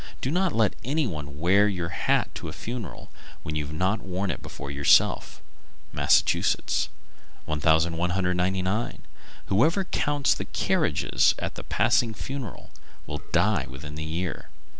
Do not let any one wear your hat to a funeral when you've not worn it before yourself. Massachusetts. 1199. Whoever counts the carriages at a passing funeral will die within the year.